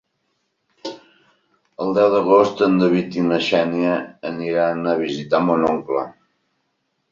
El deu d'agost en David i na Xènia aniran a visitar mon oncle.